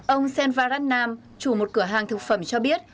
ông sen varadnam chủ một cửa hàng thực phẩm cho biết